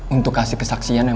untuk kasih kesaksian